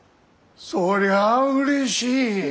そりゃうれしい。